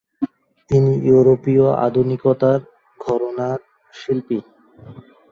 তিনি ইয়োরোপীয় আধুনিকতার ঘরানার শিল্পী।